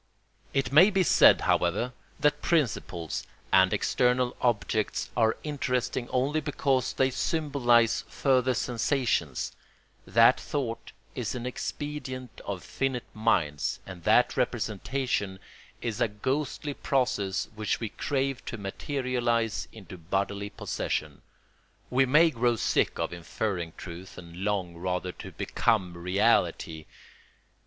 ] It may be said, however, that principles and external objects are interesting only because they symbolise further sensations, that thought is an expedient of finite minds, and that representation is a ghostly process which we crave to materialise into bodily possession. We may grow sick of inferring truth and long rather to become reality.